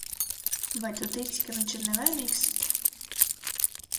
Vai tu tici, ka viņš ir nevainīgs?